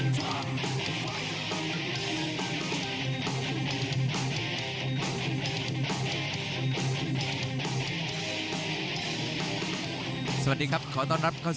ครองสาวที่หกพฤษภาคมเป็นนัดประเดิม